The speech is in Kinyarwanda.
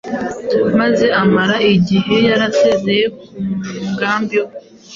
maze amara igihe yarasezeye ku mugambi we